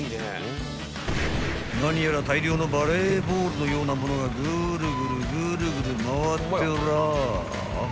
［何やら大量のバレーボールのようなものがぐるぐるぐるぐる回ってらぁ］